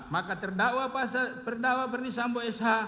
maka terdakwa perdisambo sh